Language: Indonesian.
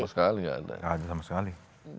tidak ada sama sekali